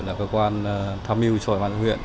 là cơ quan tham mưu cho bản thân huyện